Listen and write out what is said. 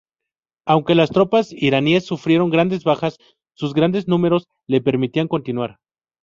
Aunque las tropas iraníes sufrieron grandes bajas, sus grandes números les permitían continuar.